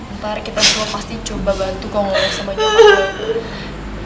ntar kita semua pasti coba bantu kau ngeluar sama nyawa gue